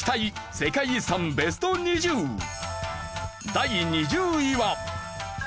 第２０位は。